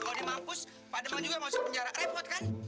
kalau dia mampus pademang juga masuk penjara repot kan